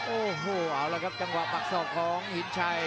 โอ้โหเอาละครับจังหวะปักศอกของหินชัย